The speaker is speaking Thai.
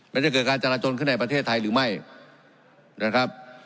มันจะเกิดการจราจนขึ้นในประเทศไทยหรือไม่นะครับ